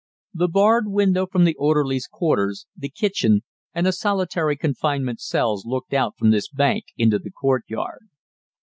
The barred window from the orderlies' quarters, the kitchen, and the solitary confinement cells looked out from this bank into the courtyard.